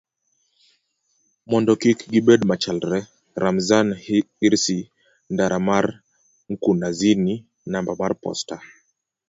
mondo kik gibed machalre. Ramzan Hirsi ndara mar Mkunazini namba mar posta